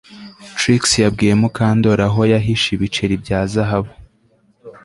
Trix yabwiye Mukandoli aho yahishe ibiceri bya zahabu